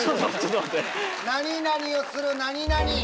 何々をする何々。